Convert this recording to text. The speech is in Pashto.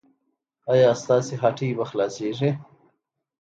ایا ستاسو هټۍ به خلاصیږي؟